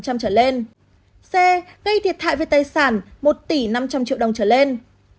xe gây thiệt hại về tài sản một tỷ năm trăm linh triệu đồng trở lên